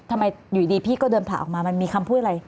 ทำไมอยู่ดีพี่ก็เดินผล่าออกมามันมีคำพูดอะไร